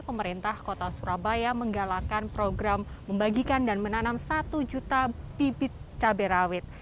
pemerintah kota surabaya menggalakan program membagikan dan menanam satu juta bibit cabai rawit